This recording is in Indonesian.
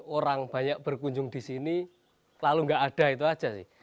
orang banyak berkunjung di sini lalu nggak ada itu aja sih